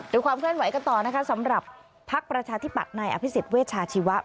ดูความก่อนไหวก็ต่อนะคะสำหรับภักษ์ประชาธิบัติในอภิษฐเวชาชีวะ